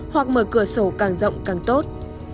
hoặc mở cửa sổ càng rộng càng tốt